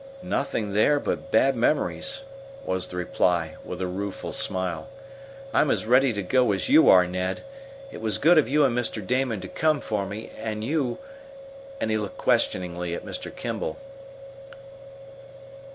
"Nothing there but bad memories," was the reply, with a rueful smile. "I'm as ready to go as you are, Ned. It was good of you and Mr. Damon to come for me, and you" and he looked questioningly at Mr. Kimball.